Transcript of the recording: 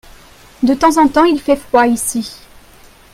De temps en temps il fait froid ici.